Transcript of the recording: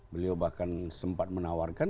beliau bahkan sempat menawarkan